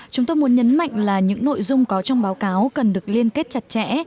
chúng tôi muốn nhấn mạnh là những nội dung có trong báo cáo cần được liên kết chặt chẽ